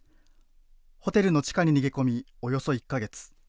ホテルの地下に逃げ込みおよそ１か月。